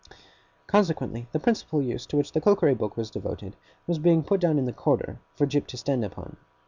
Consequently, the principal use to which the cookery book was devoted, was being put down in the corner for Jip to stand upon.